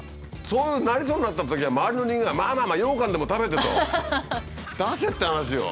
そういうふうになりそうになったときは周りの人間が「まあまあまあようかんでも食べて」と出せって話よ。